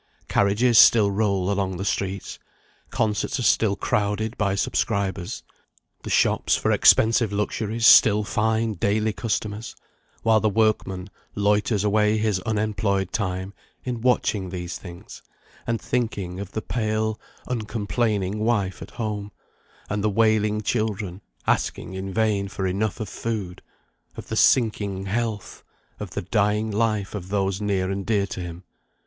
Carriages still roll along the streets, concerts are still crowded by subscribers, the shops for expensive luxuries still find daily customers, while the workman loiters away his unemployed time in watching these things, and thinking of the pale, uncomplaining wife at home, and the wailing children asking in vain for enough of food, of the sinking health, of the dying life of those near and dear to him.